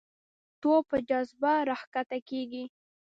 توپ په جاذبه راښکته کېږي.